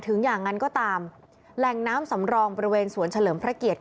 อย่างนั้นก็ตามแหล่งน้ำสำรองบริเวณสวนเฉลิมพระเกียรติ